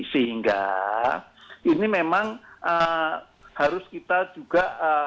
sehingga ini memang harus kita juga